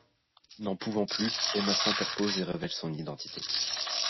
N’en pouvant plus, Emma s’interpose et révèle son identité.